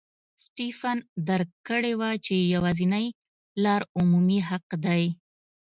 سټېفن درک کړې وه چې یوازینۍ لار عمومي حق دی.